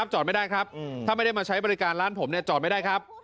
จอดไม่ได้ครับถ้าไม่ได้มาใช้บริการร้านผมจอดไม่ได้ครับ